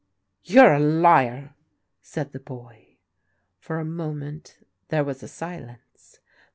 " You are a liar," said the boy. For a moment there was a silence.